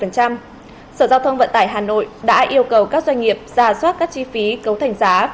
sở giao thông vận tải hà nội đã yêu cầu các doanh nghiệp ra soát các chi phí cấu thành giá